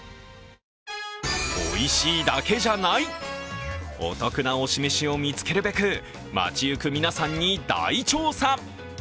おいしだけじゃない、お得な推しメシを見つけるべく街ゆく皆さんに大調査。